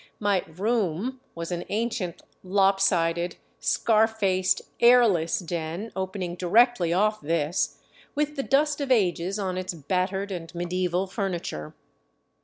My " room " was an ancient, lopsided, scar faced, airless den opening directly off this, with the dust of ages on its battered and medieval furniture.